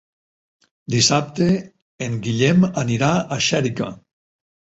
Dissabte en Guillem anirà a Xèrica.